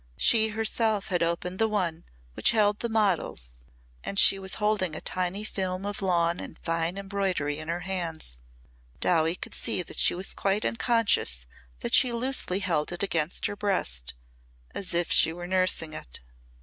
She herself had opened the one which held the models and she was holding a tiny film of lawn and fine embroidery in her hands. Dowie could see that she was quite unconscious that she loosely held it against her breast as if she were nursing it.